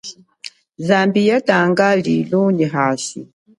Zambi yatanga lilo nyi hashi.